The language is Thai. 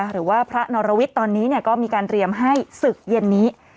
หรือว่าพระนรวิทย์ตอนนี้ก็มีการเตรียมให้ศึกเย็นนี้